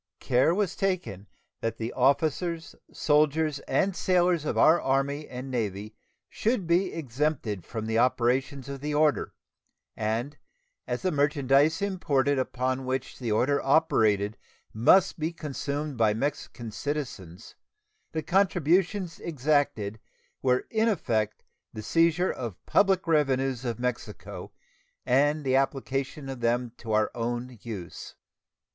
Care was taken that the officers, soldiers, and sailors of our Army and Navy should be exempted from the operations of the order, and, as the merchandise imported upon which the order operated must be consumed by Mexican citizens, the contributions exacted were in effect the seizure of the public revenues of Mexico and the application of them to our own use.